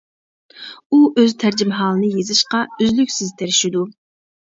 ئۇ ئۆز تەرجىمىھالىنى يېزىشقا ئۈزلۈكسىز تىرىشىدۇ.